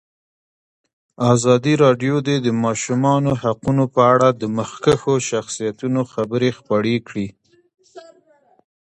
ازادي راډیو د د ماشومانو حقونه په اړه د مخکښو شخصیتونو خبرې خپرې کړي.